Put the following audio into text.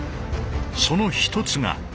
その一つが。